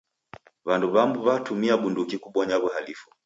W'andu w'amu w'atumia bunduki kubonya w'uhalifu.